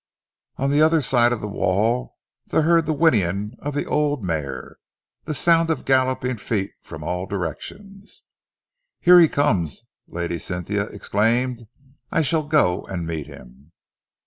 On the other side of the wall they heard the whinnying of the old mare, the sound of galloping feet from all directions. "Here he comes!" Lady Cynthia exclaimed. "I shall go and meet him."